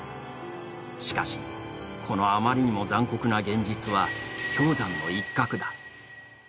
しかし、このあまりにも残酷な現実は、氷山の一角だ。